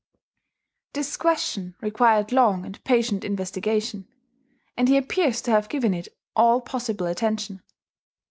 This question required long and patient investigation; and he appears to have given it all possible attention.